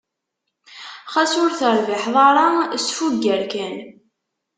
Xas ur terbiḥeḍ ara, sfugger kan.